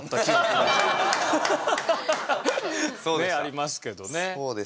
ねえありますけどね。